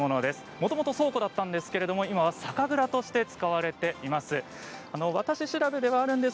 もともと倉庫だったんですけれども今は酒蔵として使われています。